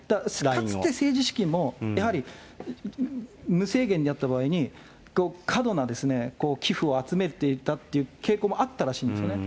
かつて政治資金も、やはり、無制限にやった場合に、過度な寄付を集めていたという傾向もあったらしいんですよね。